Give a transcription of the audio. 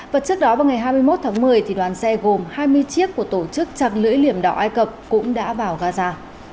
và trước đó vào ngày hai mươi một tháng một mươi đoàn xe gồm hai mươi chiếc của tổ chức chặt lưỡi liềm đỏ ai cập cũng đã vào gaza